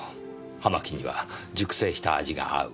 葉巻には熟成した味が合う。